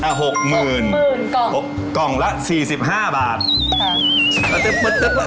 อ่ะ๖๐๐๐๐กล่องละ๔๕บาทค่ะ